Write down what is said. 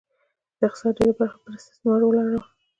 د اقتصاد ډېره برخه پر استثمار ولاړه وه.